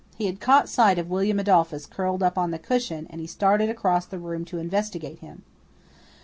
He had caught sight of William Adolphus curled up on the cushion, and he started across the room to investigate him.